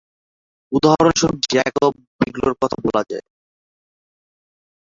উদাহরণ স্বরূপ জ্যকব বিগ্লো’র কথা বলা যায়।